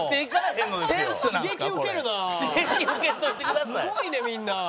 すごいねみんな。